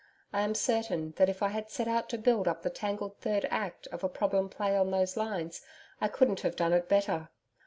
I am certain that if I had set out to build up the tangled third act of a problem play on those lines, I couldn't have done it better.